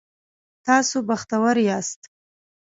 تاسو بختور یاست